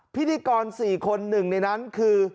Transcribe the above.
พิธีกร๔คน๑ในนั้นคือ